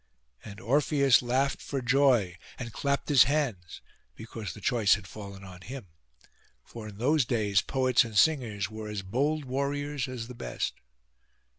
And Orpheus laughed for joy, and clapped his hands, because the choice had fallen on him; for in those days poets and singers were as bold warriors as the best.